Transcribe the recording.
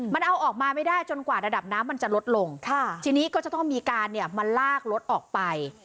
มันเอาออกมาไม่ได้จนกว่าระดับน้ำมันจะลดลงทีนี้ก็จะต้องมีการเนี่ยมาลากรถออกไป